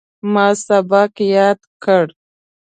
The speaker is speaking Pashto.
ما سبق یاد کړ.